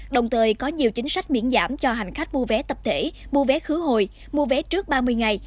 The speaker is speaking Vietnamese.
đồng thời có nhiều chính sách miễn giảm cho hành khách mua vé tập thể mua vé khứ hồi mua vé trước ba mươi ngày